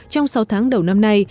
trong sáu tháng đầu năm nay